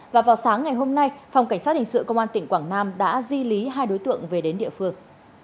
và vào sáng ngày hôm nay phòng cảnh sát hình sự công an tỉnh quảng nam đã di lý hai đối tượng về đến địa phương